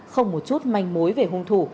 không một chút manh mối về hung thủ